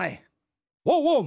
ワンワン！